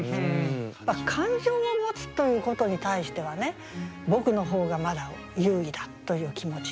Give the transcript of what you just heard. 感情を持つということに対しては僕の方がまだ優位だという気持ち。